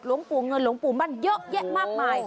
หลวงปู่เงินหลวงปู่มั่นเยอะแยะมากมาย